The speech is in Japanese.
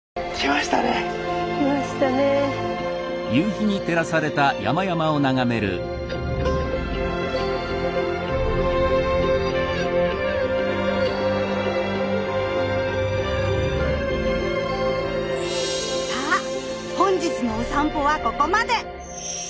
さあ本日のおさんぽはここまで！